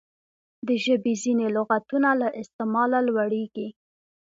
د ژبي ځیني لغاتونه له استعماله لوړیږي.